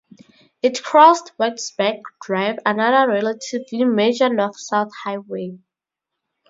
It crossed Whitesburg Drive, another relatively major north-south highway.